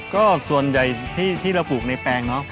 ก็ส่วนใหญ่ที่เราปลูกในแปลงเนอะ